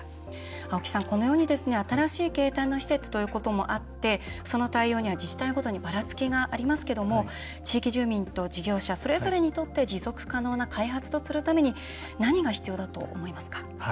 青木さん、このように新しい形態の施設ということもあってその対応には自治体ごとにばらつきがありますけども地域住民と事業者それぞれにとって持続可能な開発とするために何が必要だと思いますか？